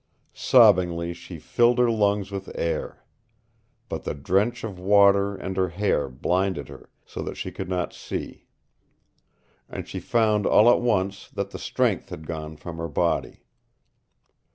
Sobbingly she filled her lungs with air. But the drench of water and her hair blinded her so that she could not see. And she found all at once that the strength had gone from her body.